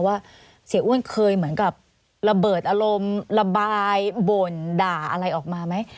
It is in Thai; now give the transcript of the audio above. ว่าเสียอ้วนเคยเหมือนกับระเบิดอารมณ์ระบายบ่นด่าอะไรออกมาไหม